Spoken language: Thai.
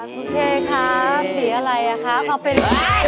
โอเคครับสีอะไรอะคะ